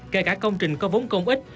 kể cả công trình có vốn công ích